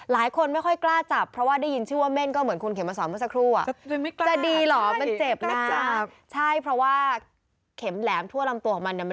มันน่ารักมากเลยนะ